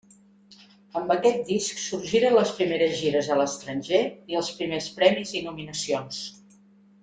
Amb aquest disc sorgiren les primeres gires a l'estranger i els primers premis i nominacions.